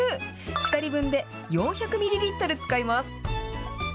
２人分で４００ミリリットル使います。